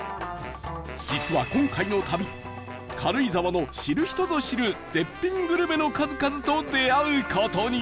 実は今回の旅軽井沢の知る人ぞ知る絶品グルメの数々と出会う事に